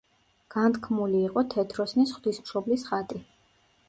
განთქმული იყო თეთროსნის ღვთისმშობლის ხატი.